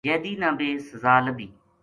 جیدی نا بے سزا لبھی